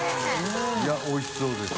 Α舛鵝おいしそうです。